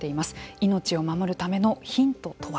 命を守るためのヒントとは。